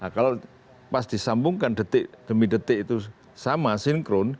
kalau pas disambungkan detik demi detik itu sama sinkron